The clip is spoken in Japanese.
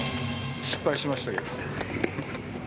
失敗しましたけど。